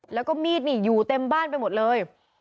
แล้วก็มีดนี่อยู่เต็มบ้านไปหมดเลย